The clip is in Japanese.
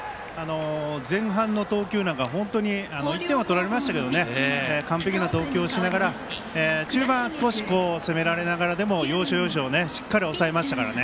前半の投球なんか１点は取られましたけど完璧な投球をしながら中盤、少し攻められながらでも要所要所しっかり抑えましたからね。